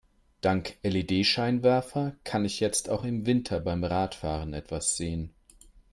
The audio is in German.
Dank LED-Scheinwerfer kann ich jetzt auch im Winter beim Radfahren etwas sehen.